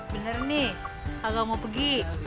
bener nih kalau mau pergi